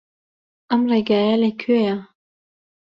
ئەم ڕێگایە لەکوێیە؟